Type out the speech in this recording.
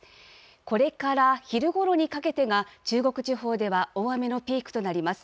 これから昼ごろにかけてが、中国地方では、大雨のピークとなります。